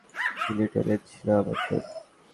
লিনেটই ছিল আমার আপনজন।